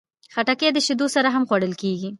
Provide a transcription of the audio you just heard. خټکی د شیدو سره هم خوړل کېږي.